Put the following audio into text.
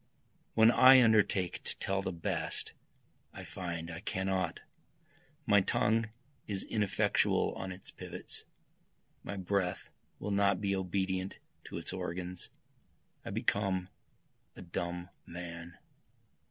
When I undertake to tell the best I find I cannot, My tongue is ineffectual on its pivots, My breath will not be obedient to its organs, I become a dumb man.